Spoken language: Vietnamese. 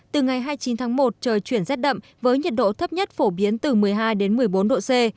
từ ngày hai mươi chín tháng một trời chuyển rét đậm với nhiệt độ thấp nhất phổ biến từ một mươi hai đến một mươi bốn độ c